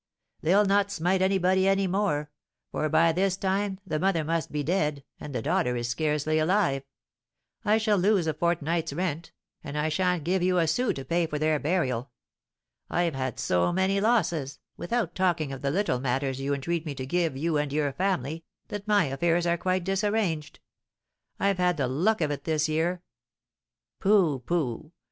"They'll not smite anybody any more, for by this time the mother must be dead, and the daughter is scarcely alive. I shall lose a fortnight's rent, and I sha'n't give a sou to pay for their burial. I've had so many losses, without talking of the little matters you entreat me to give you and your family, that my affairs are quite disarranged. I've had the luck of it this year." "Pooh, pooh!